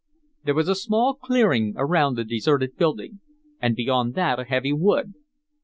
There was a small clearing around the deserted building, and beyond that a heavy wood.